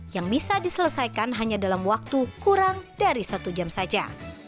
yang bisa diselesaikan hanya dalam waktu kurang dari satu jam saja